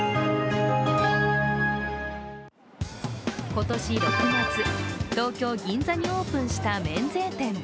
今年６月、東京・銀座にオープンした免税店。